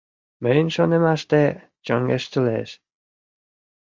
Мыйын шонымаште, чоҥештылеш.